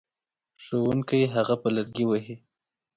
ښوونکی هغه په لرګي وهي.